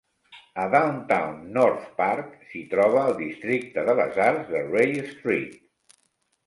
A Downtown North Park s'hi troba el districte de les Arts de Ray Street.